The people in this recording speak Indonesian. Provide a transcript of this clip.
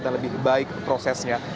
dan lebih baik prosesnya